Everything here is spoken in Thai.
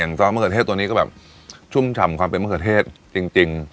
ซอสมะเขือเทศตัวนี้ก็แบบชุ่มฉ่ำความเป็นมะเขือเทศจริง